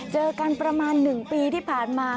เจอกันประมาณ๑ปีที่ผ่านมา